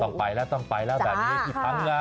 ต้องไปแล้วต้องไปแล้วแบบนี้ที่พังงา